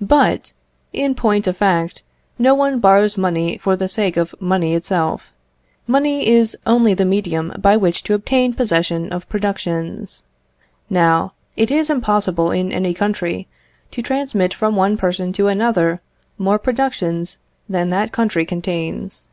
But, in point of fact, no one borrows money for the sake of the money itself; money is only the medium by which to obtain possession of productions. Now, it is impossible in any country to transmit from one person to another more productions than that country contains.